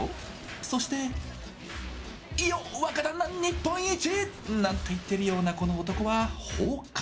そして「いよ！若旦那日本一！」なんて言っているようなこの男は「幇間」。